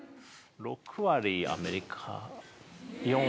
６割アメリカ４割日本。